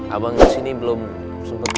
abang disini belum sempet puasa